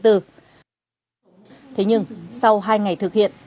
thế nhưng sau hai ngày thực hiện